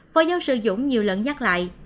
phó giáo sư dũng nhiều lần nhắc lại